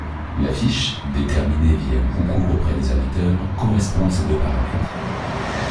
L'affiche, déterminée via un concours auprès des amateurs, correspond à ces deux paramètres.